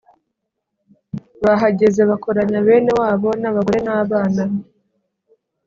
bahageze bakoranya bene wabo n'abagore n'abana,